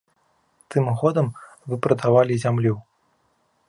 Тым годам вы прадавалі зямлю.